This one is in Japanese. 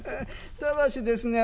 ただしですね